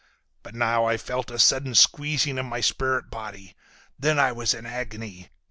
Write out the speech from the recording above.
But now I felt a sudden squeezing of my spirit body. Then I was in an agony.